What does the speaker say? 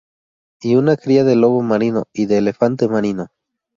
Y una cría de lobo marino y de elefante marino.